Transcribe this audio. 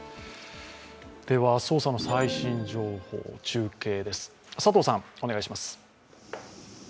捜査の最新情報中継です。